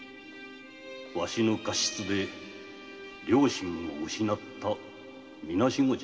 わしの過失で両親を失ったみなしごじゃ。